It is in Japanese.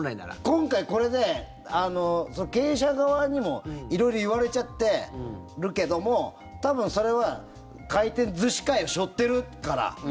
今回、これで経営者側にも色々言われちゃってるけども多分それは回転寿司界を背負ってるから。